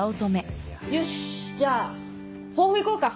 よしじゃあ抱負いこうか。